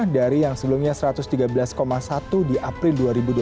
dari yang sebelumnya satu ratus tiga belas satu di april dua ribu dua puluh